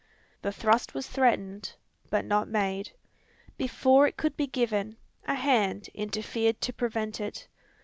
The thrust was threatened, but not made. Before it could be given, a hand interfered to prevent it.